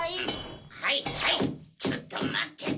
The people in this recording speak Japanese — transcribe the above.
はいはいちょっとまってて！